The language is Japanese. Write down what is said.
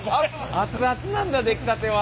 熱々なんだ出来たては。